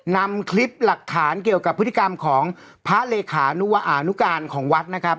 นำคลิปหลักฐานเกี่ยวกับพฤติกรรมของพระเลขานุการของวัดนะครับ